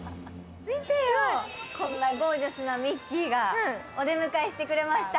見てよ、こんなゴージャスなミッキーがお出迎えしてくれました。